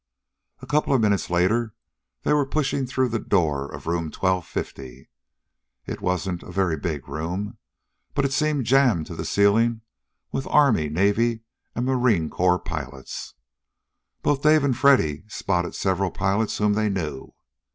A couple of minutes later they were pushing through the door of Room Twelve Fifty. It wasn't a very big room, but it seemed jammed to the ceiling with Army, Navy, and Marine Corps pilots. Both Dave and Freddy spotted several pilots whom they knew.